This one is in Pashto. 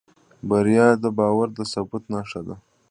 بریا د باور د ثبوت نښه ده.